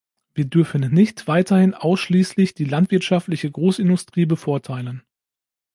Wir dürfen nicht weiterhin ausschließlich die landwirtschaftliche Großindustrie bevorteilen.